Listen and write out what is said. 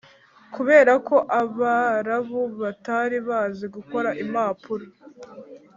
kubera ko abarabu batari bazi gukora impapuro,